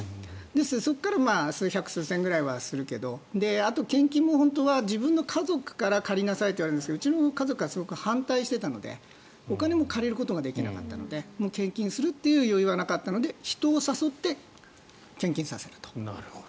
そこから数千ぐらいはするけどあと、献金は自分の家族から借りなさいと言われるんですがうちの家族はすごく反対していたのでお金も借りることができなかったので献金する余裕はなかったので人を誘って献金させると。